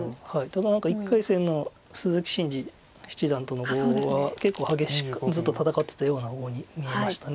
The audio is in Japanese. ただ１回戦の鈴木伸二七段との碁は結構激しくずっと戦ってたような碁に見えました。